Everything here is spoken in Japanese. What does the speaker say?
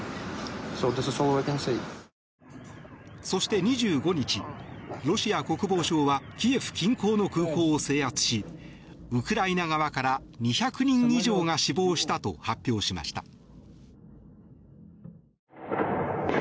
そして２５日、ロシア国防省はキエフ近郊の空港を制圧しウクライナ側から２００人以上が死亡したと発表しました。